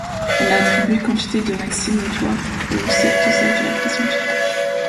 On a attribué quantité de maximes notoires aux Sept sages de la Grèce Antique.